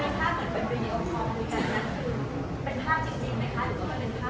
เราเคยวิดีโอครองหนังเขาไม่ใช่รู้